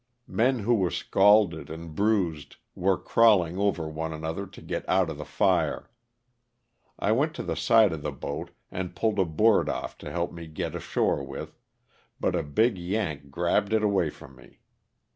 Men who were scalded and bruised were crawling over one another to get out of the fire. I went to the side of the boat and pulled a board off to help me get ashore with, but a big " Yank" grabbed it away from me.